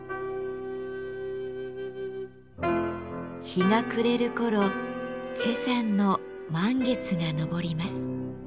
日が暮れる頃崔さんの満月が昇ります。